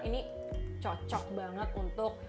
ini cocok banget untuk